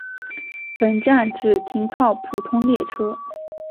本站只停靠普通列车。